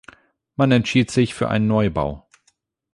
Man entschied sich für einen Neubau.